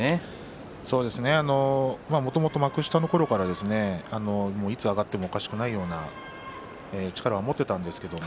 もともと幕下のころからいつ上がってもおかしくないような力を持っていました。